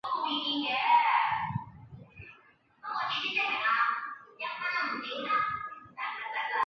柳叶鬼针草是菊科鬼针草属的植物。